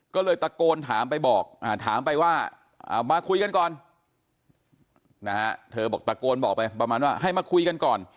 ก็เลยตะโกนถามไปบอกถามไปว่ามาคุยกันก่อน